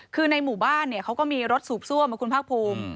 คือในหมู่บ้านเขาก็มีรถสูบซ่วมคุณภาคภูมิ